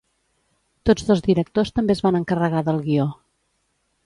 Tots dos directors també es van encarregar del guió.